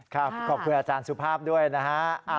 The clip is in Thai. ขอบคุณอาจารย์สุภาพด้วยนะฮะ